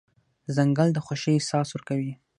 ځنګل د خوښۍ احساس ورکوي.